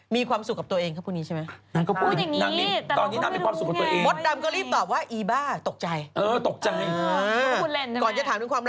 มีความสุขกับตัวเองครับพวกนี้ใช่ไหม